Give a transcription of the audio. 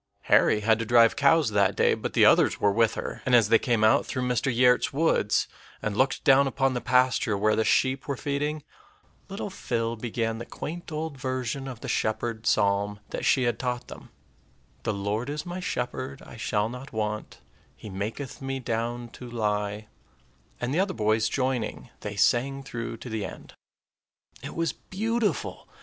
Harry had to drive cows that day; but the others were with her, and as they came out through Mr. Giertz's woods, and looked down upon the pasture where the sheep were feeding, little Phil began the quaint old version of the shepherd psalm that she had taught them, "The Lord is my shepherd; I shall not want; He maketh me down to lie," and, the other boys joining, they sang through to the end. It was beautiful.